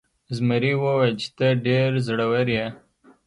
زمري وویل چې ته ډیر زړور یې.